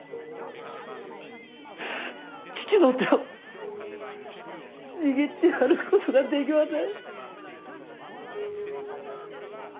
父の手を握ってやることができません。